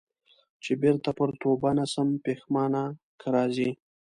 چي بیرته پر توبه نه سم پښېمانه که راځې